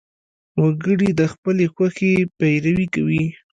وګړي د خپلې خوښې پیروي کوي.